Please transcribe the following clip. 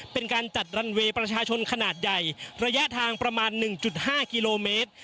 เป็นการจัดรันเวย์ประชาชนขนาดใหญ่ระยะทางประมาณ๑๕กิโลเมตร